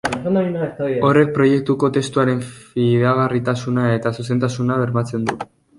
Horrek proiektuko testuen fidagarritasuna eta zuzentasuna bermatzen du.